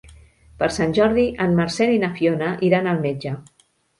Per Sant Jordi en Marcel i na Fiona iran al metge.